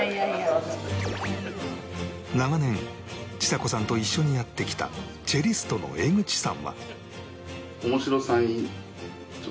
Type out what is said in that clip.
長年ちさ子さんと一緒にやってきたチェリストの江口さんは